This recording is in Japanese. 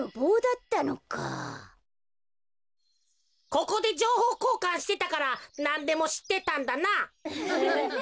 ここでじょうほうこうかんしてたからなんでもしってたんだな。